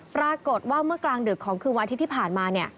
ปรากฏว่าเมื่อกลางดึกของคืนวันอาทิตย์ที่ผ่านมา